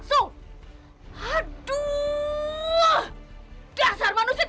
sani sani lu mau masuk